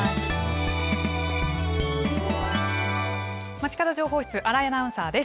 まちかど情報室、新井アナウンサーです。